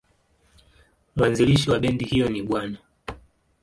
Mwanzilishi wa bendi hiyo ni Bw.